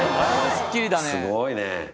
すごいね。